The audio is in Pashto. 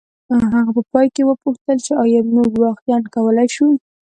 هغه په پای کې وپوښتل چې ایا موږ واقعیا کولی شو